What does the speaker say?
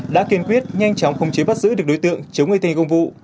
đã kiên quyết nhanh chóng khống chế bắt giữ được đối tượng chống y tên công vụ